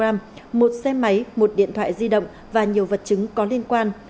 một xe máy một điện thoại di động và nhiều vật chứng có liên quan